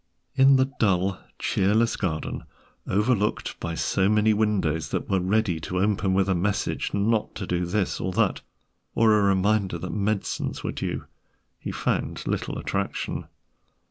In the dull, cheerless garden, overlooked by so many windows that were ready to open with a message not to do this or that, or a reminder that medicines were due, he found little attraction.